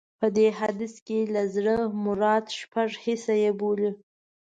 په دې حديث کې له زړه مراد شپږم حس يې بولي.